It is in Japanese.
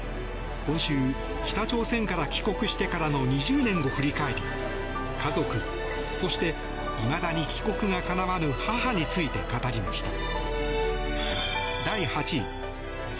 今週、北朝鮮から帰国してからの２０年を振り返り家族、そしていまだに帰国がかなわぬ母について語りました。